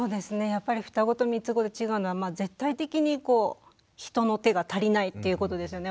やっぱりふたごとみつごで違うのは絶対的にこう人の手が足りないっていうことですよね。